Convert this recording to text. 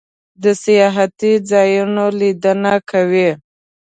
د سیاحتی ځایونو لیدنه کوئ؟